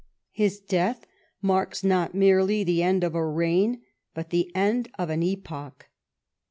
His death marks not merely the end of a reign, but the end of an epoch.